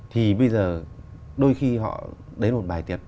thì bây giờ đôi khi họ đến một bài tiếng